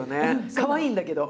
かわいいんだけど。